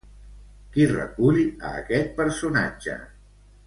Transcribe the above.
Qui recull a aquest personatge?